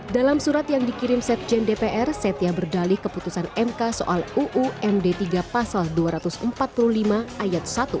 dalam surat yang dikirim sekjen dpr setia berdalih keputusan mk soal uumd tiga pasal dua ratus empat puluh lima ayat satu